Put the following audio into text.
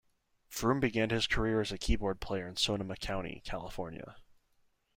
Froom began his career as a keyboard player in Sonoma County, California.